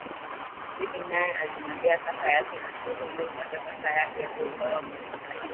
Debby naye alimwambia kaka yake na siku iliyofuata kaka yake aliuawa kwa risasi